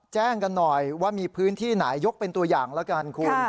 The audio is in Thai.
แจ้งกันหน่อยว่ามีพื้นที่ไหนยกเป็นตัวอย่างแล้วกันคุณ